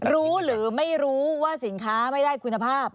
รู้หรือไม่รู้ว่าสินค้าไม่ได้คุณภาพ